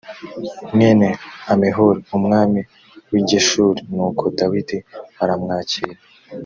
mwene amihuri umwami w i geshuri nuko dawidi aramwakira